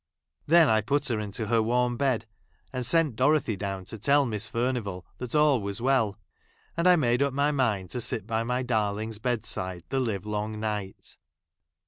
Then I put her into her warm bed, and sent Dorothy down to tell I Miss Furuivall that all was well ; and I made up my inind to sit by my darling's bedside I the live long night.